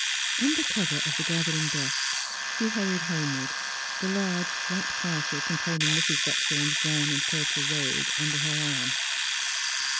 Under cover of the gathering dusk she hurried homeward, the large flat parcel containing Mrs. Buckthorn's brown and purple robe under her arm.